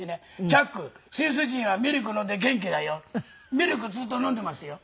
「チャックスイス人はミルク飲んで元気だよ」。ミルクずっと飲んでいますよ。